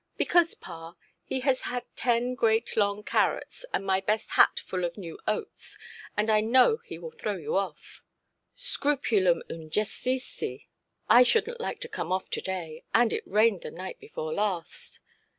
"Because, pa, he has had ten great long carrots, and my best hat full of new oats; and I know he will throw you off". "Scrupulum injecisti. I shouldnʼt like to come off to–day. And it rained the night before last".